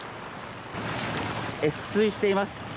越水しています。